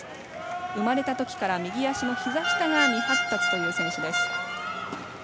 生まれたときから右足のひざ下が未発達という選手です。